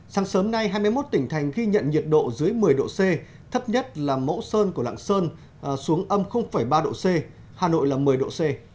sáng sớm nay hai mươi một tỉnh thành ghi nhận nhiệt độ dưới một mươi độ c thấp nhất là mẫu sơn của lạng sơn xuống âm ba độ c hà nội là một mươi độ c